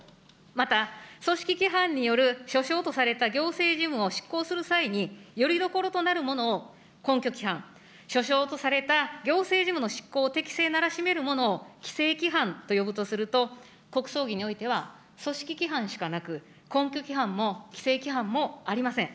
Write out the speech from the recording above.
また、組織規範によるしょしょうとされた行政事務を執行する際に、よりどころとなるものを、根拠規範、しょしょうとされた行政事務の執行を適正ならしめるものをきせい規範と呼ぶとすると、国葬儀においては、組織規範しかなく、根拠規範も、きせい規範もありません。